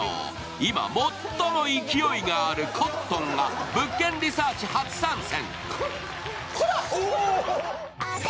今最も勢いがあるコットンが「物件リサーチ」初参戦。